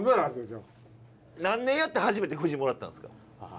何年やって初めて富士もらったんですか。